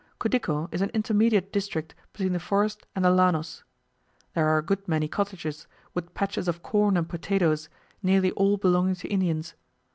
Cudico is an intermediate district between the forest and the Llanos. There are a good many cottages, with patches of corn and potatoes, nearly all belonging to Indians.